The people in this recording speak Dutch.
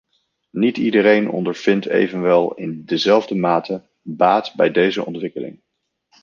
Niet iedereen ondervindt evenwel in dezelfde mate baat bij deze ontwikkeling.